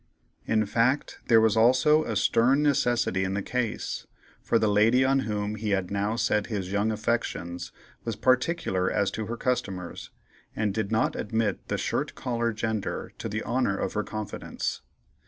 In fact, there was also a stern necessity in the case, for the lady on whom he had now set his young affections was particular as to her customers, and did not admit the shirt collar gender to the honor of her confidence.